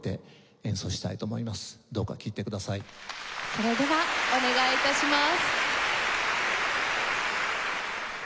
それではお願い致します。